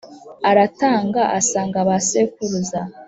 aratanga asanga ba sekuruza